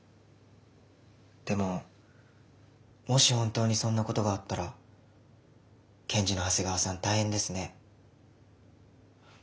でももし本当にそんなことがあったら検事の長谷川さん大変ですね。